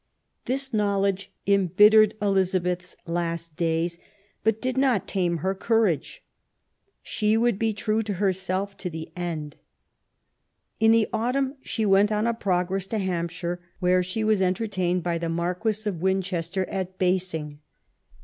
This knowledge embittered Elizabeth's last days, but did not tame her courage. She would be true to herself to the end. In the autumn she went on a progress to Hampshire, where she was entertained 294 QUEEN ELIZABETH. by the Marquess of Winchester at Basing.